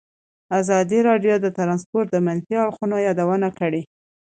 ازادي راډیو د ترانسپورټ د منفي اړخونو یادونه کړې.